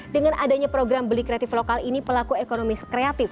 dengan adanya program beli kreatif lokal ini pelaku ekonomi kreatif